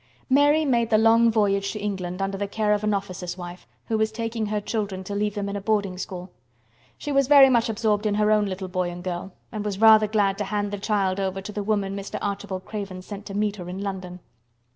Mary made the long voyage to England under the care of an officer's wife, who was taking her children to leave them in a boarding school. She was very much absorbed in her own little boy and girl, and was rather glad to hand the child over to the woman Mr. Archibald Craven sent to meet her, in London.